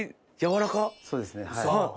そうですねはい。